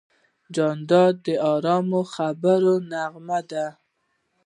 جانداد د ارام خبرو نغمه ده.